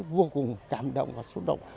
vô cùng cảm động và sôi động